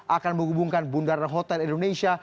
akan menghubungkan bundaran hotel indonesia